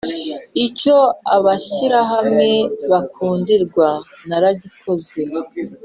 Icyo abashyirahamwe bakundirwa naragikoze.